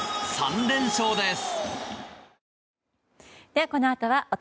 ３連勝です。